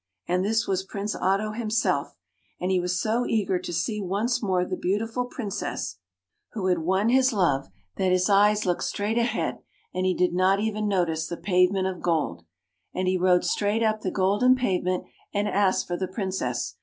And this was Prince Otto himself, and he was so eager to see 3 once more the beautiful Princess who [ 107 ] FAVORITE FAIRY TALES RETOLD liad won his love, that his eyes looked straight ahead, and he did not even notice the pavement of gold. And he rode straight up the golden pave ment and asked for the Princess.